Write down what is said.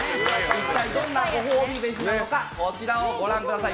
一体どんなご褒美飯なのかこちらをご覧ください。